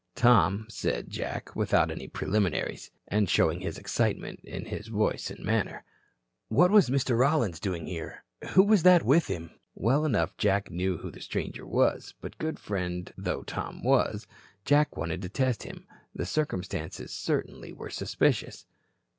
"Tom," said Jack, without any preliminaries, and showing his excitement in his voice and manner, "what was Mr. Rollins doing here? Who was that with him?" Well enough Jack knew who the stranger was. But good friend though Tom was, Jack wanted to test him. The circumstances certainly were suspicious.